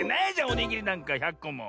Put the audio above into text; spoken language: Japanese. おにぎりなんか１００こも。